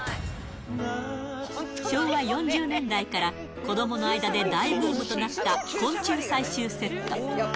昭和４０年代から、子どもの間で大ブームとなった昆虫採集セット。